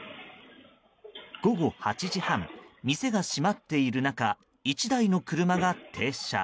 午後８時半、店が閉まっている中１台の車が停車。